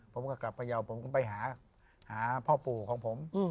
ผมก็กลับไปหาพ่อปู่ของผม